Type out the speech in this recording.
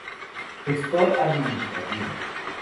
Gestor administrativo.